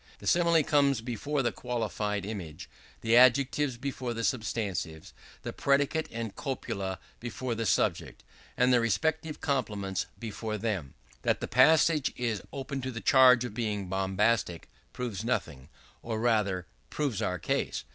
The simile comes before the qualified image, the adjectives before the substantives, the predicate and copula before the subject, and their respective complements before them. That the passage is open to the charge of being bombastic proves nothing; or rather, proves our case.